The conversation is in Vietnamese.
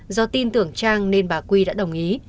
do tin tưởng trang nên bà quy đã đồng ý